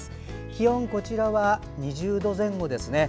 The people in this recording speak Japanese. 気温、こちらは２０度前後ですね。